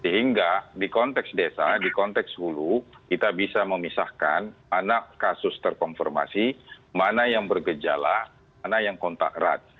sehingga di konteks desa di konteks hulu kita bisa memisahkan mana kasus terkonfirmasi mana yang bergejala mana yang kontak erat